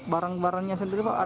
barang barangnya sendiri ada pakaian